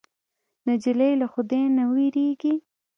نجلۍ له خدای نه وېرېږي.